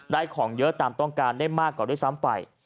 ของเยอะตามต้องการได้มากกว่าด้วยซ้ำไป